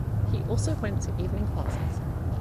He also went to evening classes.